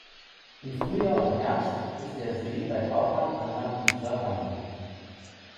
Im Frühjahr und Herbst ist der See bei Tauchern, Anglern und Surfern beliebt.